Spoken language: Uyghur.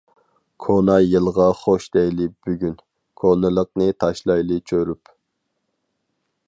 كونا يىلغا خوش دەيلى بۈگۈن، كونىلىقنى تاشلايلى چۆرۈپ.